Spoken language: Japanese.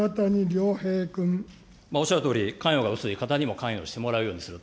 おっしゃるとおり、関与が薄い方にも関与してもらうようにすると。